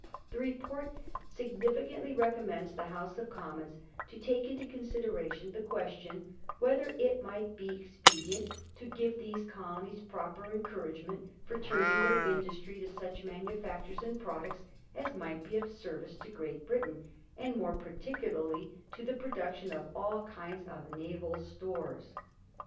The report significantly recommends the House of Commons to take into consideration the question * whether it might not be expedient to give these colonies proper encourage ments for turning their industry to such manufac tures and products as might be of service to Great Britain, and more particularly to the production of all kinds of n&val stores.'